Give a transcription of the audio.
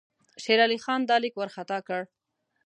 شېر علي خان دا لیک وارخطا کړ.